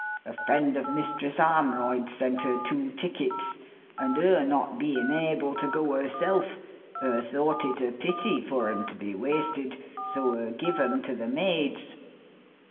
A friend of Mistress Armroyd's sent her two tickets, and her not bein' able to go herself, her thought it a pity for 'em to be wasted, so her give 'em to the maids."